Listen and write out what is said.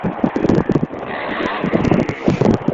Texas, ফ্লোরিডার কিছু অংশ জলে ডোবেনি!